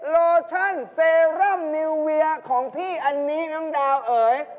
โลชั่นเซรั่มนิวเวียของพี่อันนี้น้องดาวเอ๋ย